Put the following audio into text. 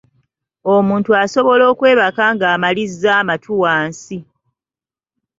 Omuntu asobola okwebaka ng’amalizza amatu wansi.